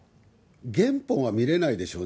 原本は見れないでしょうね。